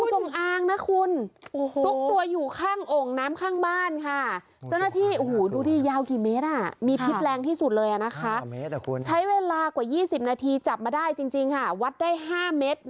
ใช้เวลากว่ายี่สิบนาทีจับมาได้จริงค่ะวัดได้ห้าเมตร